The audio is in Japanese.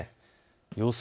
予想